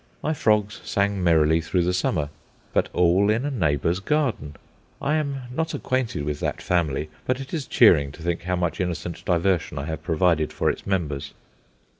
My frogs sang merrily through the summer; but all in a neighbour's garden. I am not acquainted with that family; but it is cheering to think how much innocent diversion I have provided for its members.